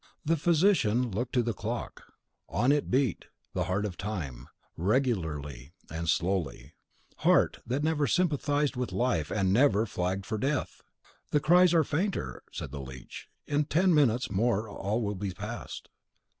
The physician looked to the clock; on it beat: the Heart of Time, regularly and slowly, Heart that never sympathised with Life, and never flagged for Death! "The cries are fainter," said the leech; "in ten minutes more all will be past."